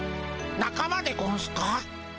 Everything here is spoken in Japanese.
仲間でゴンスか？